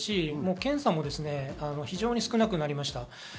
検査も非常に少なくなりました。